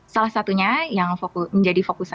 salah satunya yang menjadi fokusnya